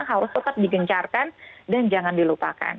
harus tetap digencarkan dan jangan dilupakan